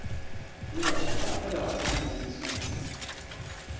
"] He then shut the door in William's face.